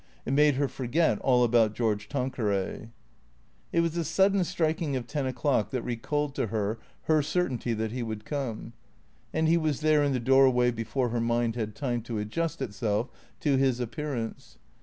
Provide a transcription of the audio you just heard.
It made her forget all about George Tanqueray. It was the sudden striking of ten o'clock that recalled to her her certainty that he would come. And he was there in the doorway before her mind had time to adjust itself to his ap pearance.